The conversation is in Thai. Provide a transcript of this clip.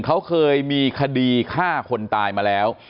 เขาเคยมีคดีฆ่าคนตายมาแล้ว